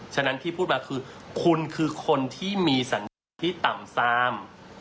ฉะนั้นที่พูดมาคือคุณคือคนที่มีสัญญาณที่ต่ำซาม